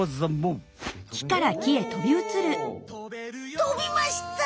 とびました！